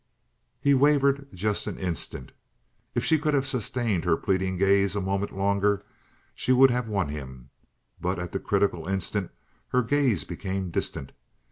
He wavered just an instant. If she could have sustained her pleading gaze a moment longer she would have won him, but at the critical instant her gaze became distant.